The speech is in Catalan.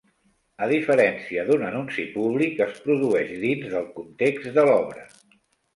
A diferència d'un anunci públic, es produeix dins del context de l'obra.